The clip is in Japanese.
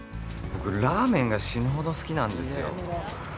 僕、ラーメンが死ぬほど好きなんですよ。